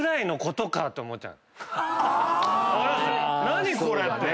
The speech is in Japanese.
何これ⁉